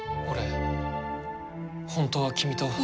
俺本当は君と。